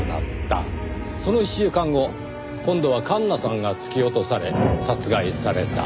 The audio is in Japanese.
その１週間後今度は環那さんが突き落とされ殺害された。